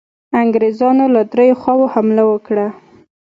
انګرېزانو له دریو خواوو حمله وکړه.